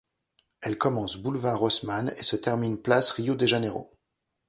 Elle commence boulevard Haussmann et se termine place de Rio-de-Janeiro.